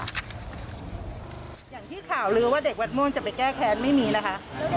อย่างที่ข่าวลือว่าเด็กวัดม่วงจะไปแก้แค้นไม่มีนะคะ